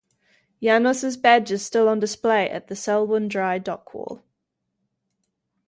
"Janus"s badge is still on display at the Selborne dry dock wall.